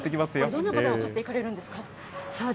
どんな方が買っていかれるんですか？